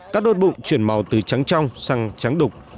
các đôi bụng chuyển màu từ trắng trong sang trắng đục